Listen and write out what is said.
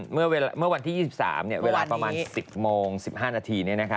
เมื่อวันที่๒๓เวลาประมาณ๑๐โมง๑๕นาที